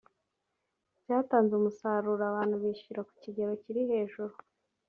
byatanze umusaruro abantu bishyura ku kigero kiri hejuru